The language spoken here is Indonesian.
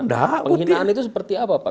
penghinaan itu seperti apa pak